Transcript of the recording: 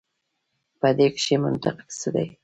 په دې کښي منطق څه دی.